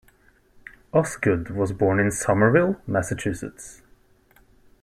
Osgood was born in Somerville, Massachusetts.